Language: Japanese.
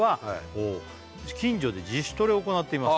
お「近所で自主トレを行っています」